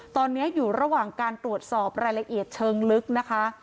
ตอนนี้อยู่ระหว่างการตรวจสอบรายละเอียดเชิงลึกนะคะ